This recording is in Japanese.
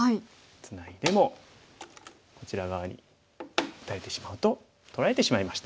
ツナいでもこちら側に打たれてしまうと取られてしまいました。